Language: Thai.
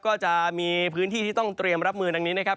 ก็จะมีพื้นที่ที่ต้องเตรียมรับมือดังนี้นะครับ